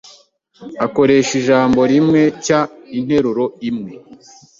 akoresha ijambo r’imwe cg interuro imwe